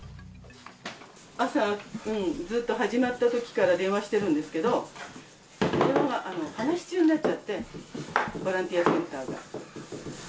朝、ずっと始まったときから電話してるんですけど、電話が話し中になっちゃって、ボランティアセンターが。